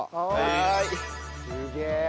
すげえ！